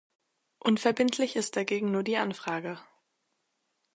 Unverbindlich ist dagegen nur die Anfrage.